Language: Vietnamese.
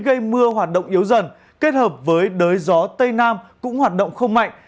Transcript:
gây mưa hoạt động yếu dần kết hợp với đới gió tây nam cũng hoạt động không mạnh